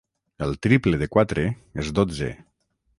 El triple de quatre és dotze.